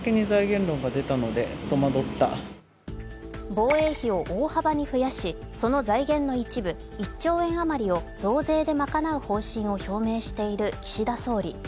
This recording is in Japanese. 防衛費を大幅に増やし、その財源の一部１兆円余りを増税で賄う方針を表明している岸田総理。